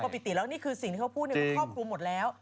ปกติแล้วนี่คือสิ่งที่เขาพูดมันครอบคลุมหมดแล้ว